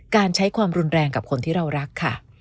การใช้ความรุนแรงกับคนที่เรารักค่ะ